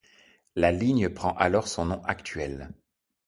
La ligne prend alors son nom actuel.